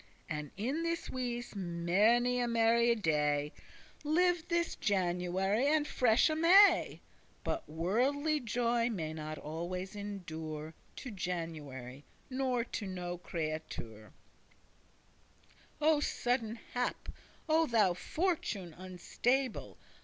And in this wise many a merry day Lived this January and fresh May, But worldly joy may not always endure To January, nor to no creatucere. O sudden hap! O thou fortune unstable!